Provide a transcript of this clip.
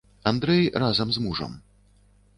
Андрэй разам з мужам.